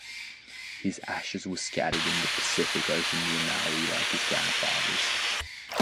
His ashes were scattered in the Pacific Ocean, near Maui, like his grandfather's.